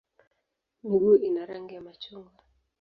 Miguu ina rangi ya machungwa.